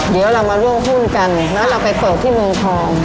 เดี๋ยวเรามาร่วมหุ้นกันแล้วเราไปเปิดที่เมืองทอง